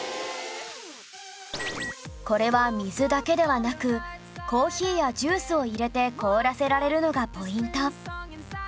これは水だけではなくコーヒーやジュースを入れて凍らせられるのがポイント